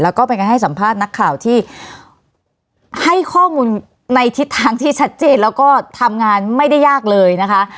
แล้วก็เป็นการให้สัมภาษณ์นักข่าวที่ให้ข้อมูลในทิศทางที่ชัดเจนแล้วก็ทำงานไม่ได้ยากเลยนะคะ